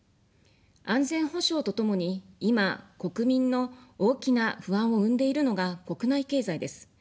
安全保障とともに、今、国民の大きな不安を生んでいるのが国内経済です。